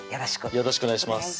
よろしくお願いします